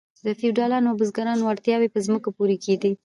د فیوډالانو او بزګرانو اړتیاوې په ځمکو پوره کیدې.